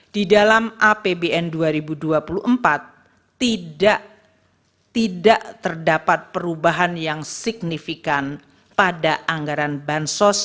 di dalam apbn dua ribu dua puluh empat tidak terdapat perubahan yang signifikan pada anggaran bansos